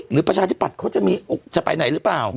หรือประชาธิบัตรเขาจะไปไหนหรือเปล่า